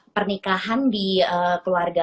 pernikahan di keluarga